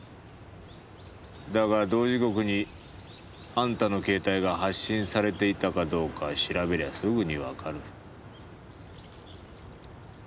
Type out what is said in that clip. だが同時刻にあんたの携帯が発信されていたかどうか調べりゃすぐにわかる。